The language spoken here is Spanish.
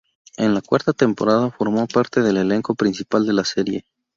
En la cuarta temporada formó parte del elenco principal de la serie.